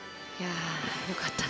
よかった。